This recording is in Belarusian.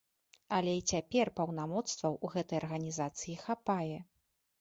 Але і цяпер паўнамоцтваў у гэтай арганізацыі хапае.